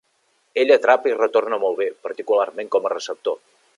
Ell atrapa i retorna molt bé, particularment com a receptor.